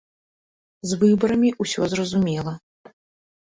З выбарамі ўсё зразумела!